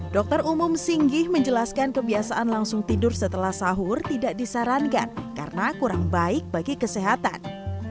dokter umum singgih menjelaskan kebiasaan langsung tidur setelah sahur tidak disarankan karena kurang baik bagi kesehatan